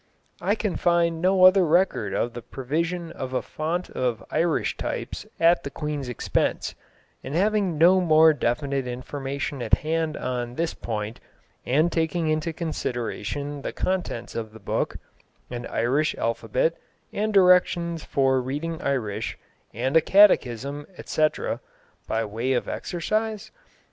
I can find no other record of the provision of a fount of Irish types at the Queen's expense, and having no more definite information at hand on this point, and taking into consideration the contents of the book an Irish alphabet, and directions for reading Irish, and a catechism, etc. (by way of exercise?)